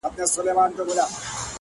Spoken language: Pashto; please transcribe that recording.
ماته اوس هم راځي حال د چا د ياد،